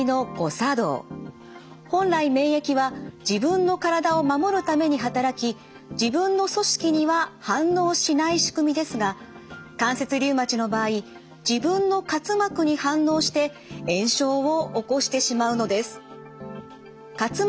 本来免疫は自分の体を守るために働き自分の組織には反応しない仕組みですが関節リウマチの場合自分の滑膜に反応して炎症を起こしてしまうのです。